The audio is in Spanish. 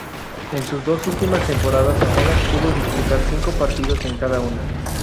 En sus dos últimas temporadas apenas pudo disputar cinco partidos en cada una.